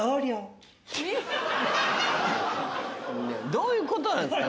どういうことなんですか？